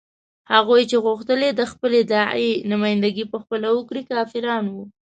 هغوی چې غوښتل یې د خپلې داعیې نمايندګي په خپله وکړي کافران وو.